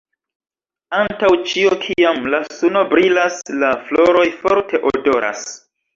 Antaŭ ĉio kiam la suno brilas la floroj forte odoras.